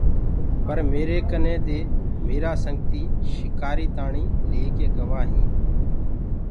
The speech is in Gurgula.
پر ميري ڪني دي ڪي ميرآ سنگتي شڪآري تاڻيٚ لي ڪي گوآ هينٚ۔